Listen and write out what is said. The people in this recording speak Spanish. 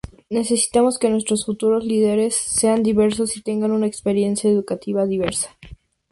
Necesitamos que nuestros futuros líderes sean diversos y tengan una experiencia educativa diversa...